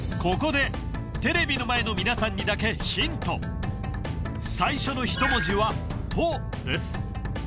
ここでテレビの前の皆さんにだけヒント最初の１文字は「と」です